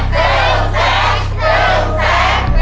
รับทราบมากมายตรงนี้